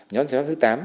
nhóm giải pháp thứ tám